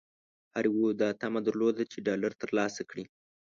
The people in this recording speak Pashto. هر یوه دا طمعه درلوده چې ډالر ترلاسه کړي.